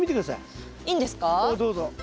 どうぞ。